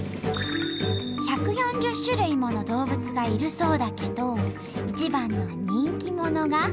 １４０種類もの動物がいるそうだけど一番の人気者が。